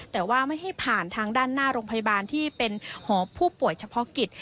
แต่ว่าไม่ให้ผ่านทางด้านหน้าโรงพยาบาลที่เป็นหอผู้ป่วยเฉพาะกิจ